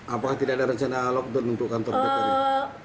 apakah tidak ada rencana lockdown untuk kantor dprd